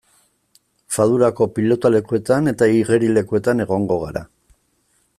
Fadurako pilotalekuetan eta igerilekuetan egongo gara.